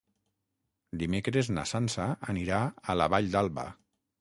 Dimecres na Sança anirà a la Vall d'Alba.